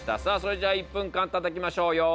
さあそれじゃあ１分間たたきましょう。